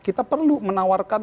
kita perlu menawarkan